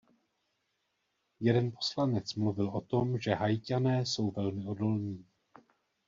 Jeden poslanec mluvil o tom, že Haiťané jsou velmi odolní.